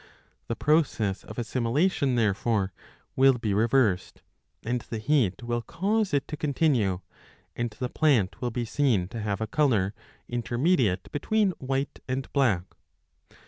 The process of assimilation therefore will be reversed and 20 the heat will cause it to continue, and the plant will be seen to have a colour, intermediate between white and black.